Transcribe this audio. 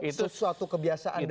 sesuatu kebiasaan dari golkar